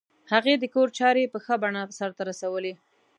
هغې د کور چارې په ښه بڼه سرته رسولې